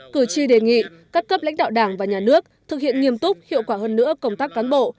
cử tri đề nghị các cấp lãnh đạo đảng và nhà nước thực hiện nghiêm túc hiệu quả hơn nữa công tác cán bộ